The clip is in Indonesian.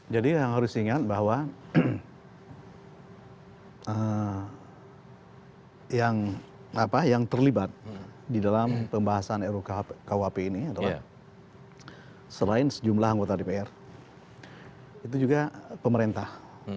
jadi harus diingat bahwa yang terlibat di dalam pembahasan rukwp ini adalah selain sejumlah anggota dpr itu juga pemerintah